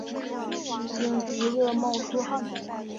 已经急的冒出汗